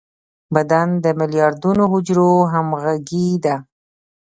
بدن د ملیاردونو حجرو همغږي ده.